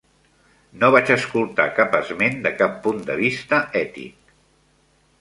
No vaig escoltar cap esment de cap punt de vista ètic.